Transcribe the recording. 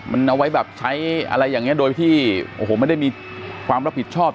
มันเอาไว้แบบใช้อะไรอย่างนี้โดยที่โอ้โหไม่ได้มีความรับผิดชอบ